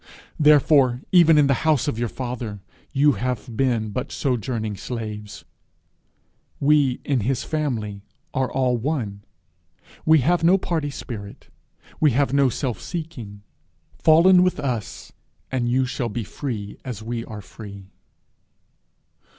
Therefore, even in the house of your father, you have been but sojourning slaves. We in his family are all one; we have no party spirit; we have no self seeking: fall in with us, and you shall be free as we are free.'